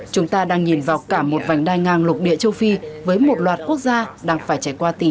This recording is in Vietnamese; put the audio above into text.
chúng ta đang nhìn vào cả một vành đai ngang lục địa châu phi với một loạt quốc gia đang phải trải qua tín